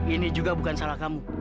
ini juga bukan salah kamu